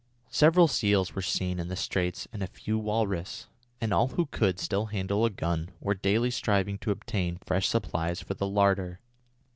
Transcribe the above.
Several seals were seen in the straits and a few walrus, and all who could still handle a gun were daily striving to obtain fresh supplies for the larder.